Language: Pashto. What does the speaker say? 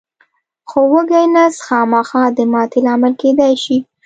خو وږی نس خامخا د ماتې لامل کېدای شي.